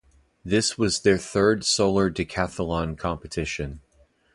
This was their third Solar Decathlon competition.